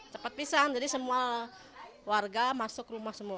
cepat pisang jadi semua warga masuk rumah semua